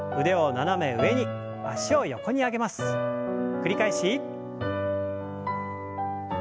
繰り返し。